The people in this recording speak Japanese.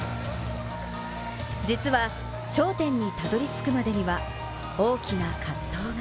実は頂点にたどりつくまでには大きな葛藤が。